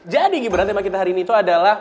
jadi gibran tema kita hari ini tuh adalah